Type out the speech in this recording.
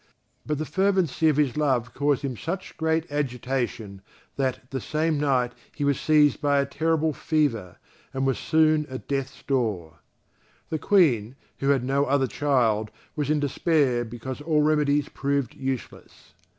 But the fervency of his love caused him such great agitation that the same night he was seized by a terrible fever, and was soon at death's door. The Queen, who had no other child, was in despair because all remedies proved useless.